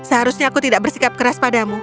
seharusnya aku tidak bersikap keras padamu